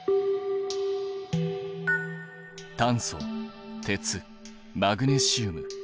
炭素鉄マグネシウム。